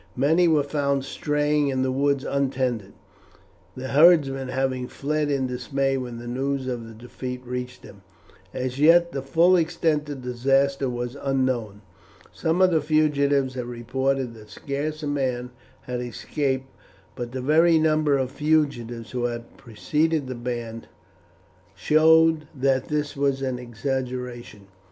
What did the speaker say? Many were found straying in the woods untended, the herdsmen having fled in dismay when the news of the defeat reached them. As yet the full extent of the disaster was unknown. Some of the fugitives had reported that scarce a man had escaped; but the very number of fugitives who had preceded the band showed that this was an exaggeration.